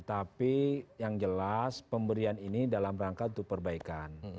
tapi yang jelas pemberian ini dalam rangka untuk perbaikan